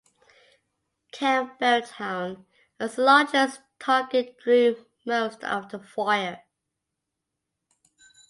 "Campbeltown"-as the largest target-drew most of the fire.